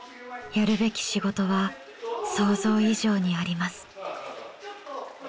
やるべき仕事は想像以上にあります。